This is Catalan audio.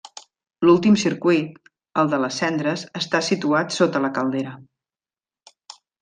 L'últim circuit, el de les cendres, està situat sota la caldera.